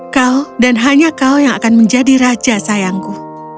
kau dan hanya kau yang akan menjadi raja sayangku